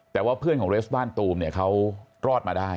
แต่ว่าเพื่อนของเรสบ้านตูมเนี่ยเขารอดมาได้